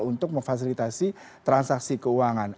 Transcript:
untuk memfasilitasi transaksi keuangan